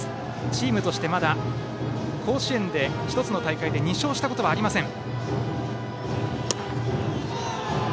チームとして、まだ甲子園の１つの大会で２勝したことはありません。